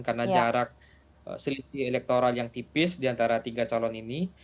karena jarak seliti elektoral yang tipis di antara tiga calon ini